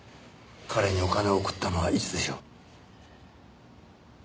彼にお金を送ったのはいつでしょう？